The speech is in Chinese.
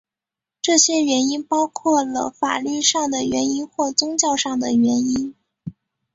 这些原因包括了法律上的原因或宗教上的原因。